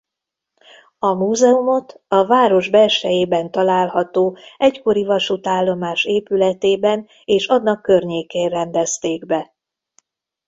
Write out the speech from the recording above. A múzeumot a város belsejében található egykori vasútállomás épületében és annak környékén rendezték be.